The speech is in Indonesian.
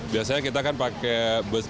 biasanya kita kan pakai bus